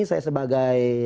saya sebagai homeboy